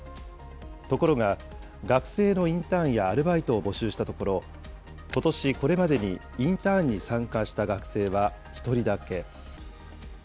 ところが学生のインターンやアルバイトを募集したところ、ことし、これまでにインターンに参加した学生は１人だけ。